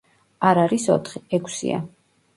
არ არის ოთხი, ექვსია.